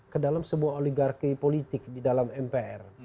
kedalam semua oligarki politik di dalam mpr